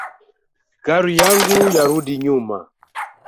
Gari yangu yarudi nyuma